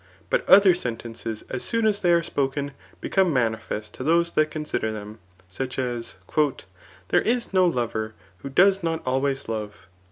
But other sentteces as soon as they are spoken become manifest to those that consider them ; such as, '^ There is no loTer who does not always love.